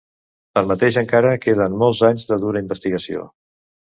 Tanmateix encara queden molts anys de dura investigació.